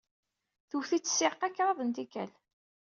Twet-itt ssiɛqa kraḍt n tikkal.